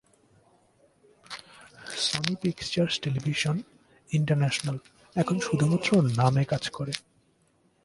Sony Pictures Television International এখন শুধুমাত্র নামে কাজ করে।